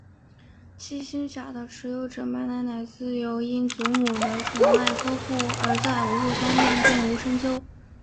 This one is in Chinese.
七星甲的持有者马奶奶自幼因祖母的宠爱呵护而在武术方面并无深究。